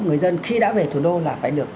người dân khi đã về thủ đô là phải được